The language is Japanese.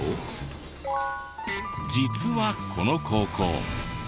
実はこの高校。